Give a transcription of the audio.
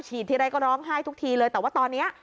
ทีไรก็ร้องไห้ทุกทีเลยแต่ว่าตอนนี้